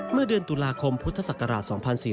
เมื่อเดือนตุลาคมพุทธศักราช๒๔๙